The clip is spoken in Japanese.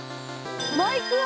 マイクワ？